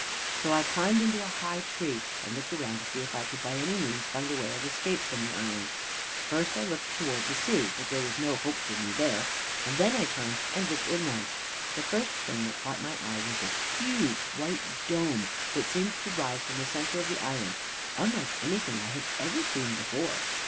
"So I climbed into a high tree, and looked around to see if I could by any means find a way of escape from the island. First I looked towards the sea, but there was no hope for me there, and then I turned and looked inland. The first thing that caught my eye was a huge white dome, that seemed to rise from the center of the island, unlike anything I had ever seen before.